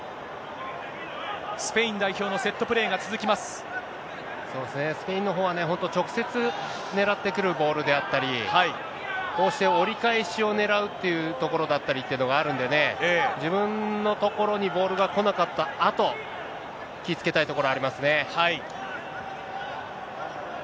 スペイン代表のセットプレーが続そうですね、スペインのほうはね、本当、直接狙ってくるボールであったり、こうして折り返しを狙うっていうところだったりというのがあるのでね、自分の所にボールが来なかったあと、気をつけたいところありますよね。